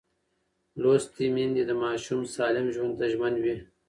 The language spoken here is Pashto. لوستې میندې د ماشوم سالم ژوند ته ژمن وي.